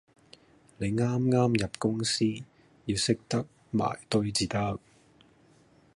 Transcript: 你啱啱入公司，要識得埋堆至得